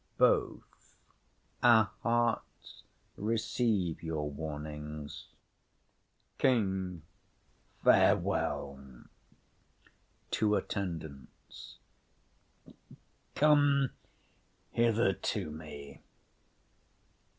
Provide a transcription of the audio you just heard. BOTH. Our hearts receive your warnings. KING. Farewell.—Come hither to me.